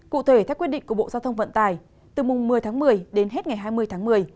cụ thể theo quyết định của bộ giao thông vận tải từ mùng một mươi tháng một mươi đến hết ngày hai mươi tháng một mươi